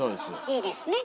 いいですね